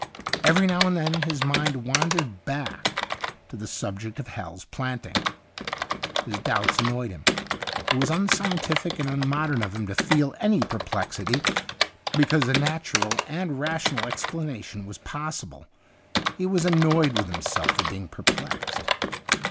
Every now and then his mind wandered back to the subject of Hal's Planting. His doubts annoyed him. It was un scientific and unmodern of him to 151 THE UNDYING THING feel any perplexity, because a natural and X'ational explanation was pos sible ; he was annoyed with himself for being perplexed.